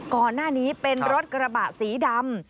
ก่อนหน้านี้เป็นรถกระบะสีดำ